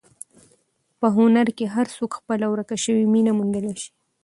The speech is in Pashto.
په هنر کې هر څوک خپله ورکه شوې مینه موندلی شي.